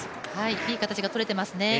いい形がとれてますね。